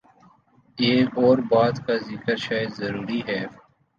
ایک اور بات کا ذکر شاید ضروری ہے۔